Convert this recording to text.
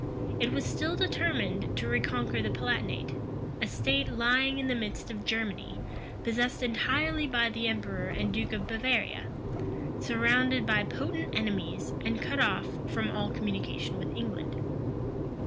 It was still determined to reconquer the Palatinate; a state lying in the midst of Germany, possessed entirely by the emperor and duke of Bavaria, surrounded by potent enemies, and cut off from all communication with England.